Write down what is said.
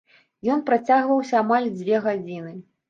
Ён працягваўся амаль дзве гадзіны.